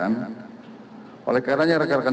dan oleh karenanya